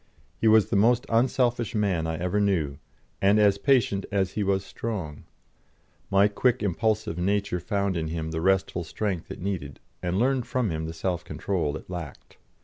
He was the most unselfish man I ever knew, and as patient as he was strong. My quick, impulsive nature found in him the restful strength it needed, and learned from him the self control it lacked.